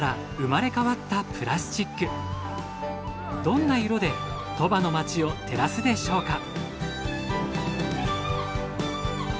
どんな色で鳥羽の町を照らすでしょうか。